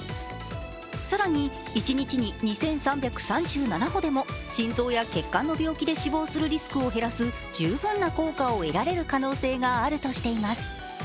更に一日に２３３７歩でも心臓や血管の病気で死亡するリスクを減らす十分な効果を得られる可能性があるとしています。